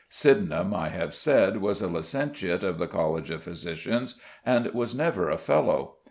Sydenham, I have said, was a licentiate of the College of Physicians, and was never a Fellow.